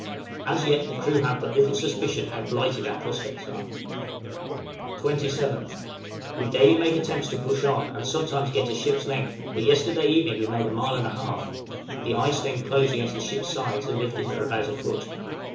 As yet the crew have but little suspicion how blighted our prospects are. 27th. We daily make attempts to push on, and sometimes get a ship's length, but yesterday evening we made a mile and a half! the ice then closed against the ship's sides and lifted her about a foot.